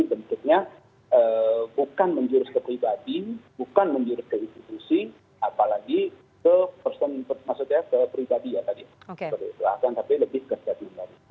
bukan menjurus ke pribadi bukan menjurus ke institusi apalagi ke pribadi